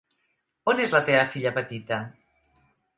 On és la teva filla petita?